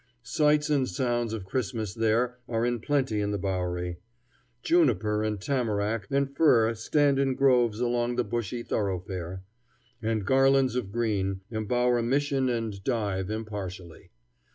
Sights and sounds of Christmas there are in plenty in the Bowery. Juniper and tamarack and fir stand in groves along the busy thoroughfare, and garlands of green embower mission and dive impartially.